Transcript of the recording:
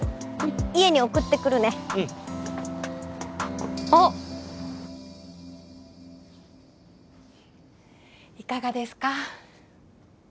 家に送ってくるねうんあっいかがですか？